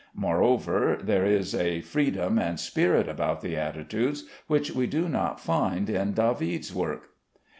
Moreover, there is a freedom and spirit about the attitudes which we do not find in David's work.